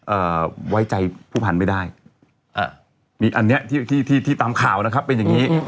เอ่อไว้ใจผู้พันธุ์ไม่ได้อันนี้ที่ตามข่าวนะครับเป็นอย่างนี้